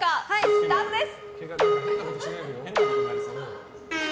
スタートです！